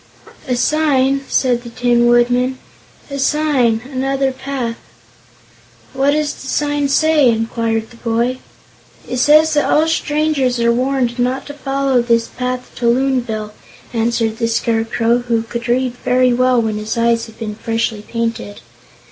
"A Sign," said the Tin Woodman. "A Sign, and another path." "What does the Sign say?" inquired the boy. "It says that 'All Strangers are Warned not to Follow this Path to Loonville,'" answered the Scarecrow, who could read very well when his eyes had been freshly painted.